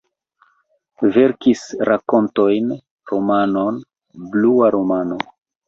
Verkis rakontojn, romanon "Blua romano".